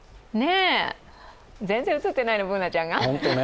全然映ってないの、Ｂｏｏｎａちゃんが。